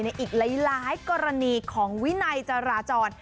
อีกหลายกรณีของวินัยจราจร